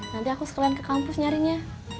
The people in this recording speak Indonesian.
nanti aku sekalian ke kampus nyarinya